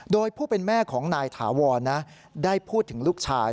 โดยผู้เป็นแม่ของนายถาวรได้พูดถึงลูกชาย